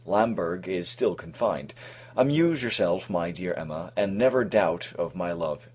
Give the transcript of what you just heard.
Lamberg is still confined. Amuse yourself, my dearest Emma, and never doubt of my love.